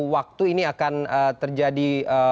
waktu ini akan terjadi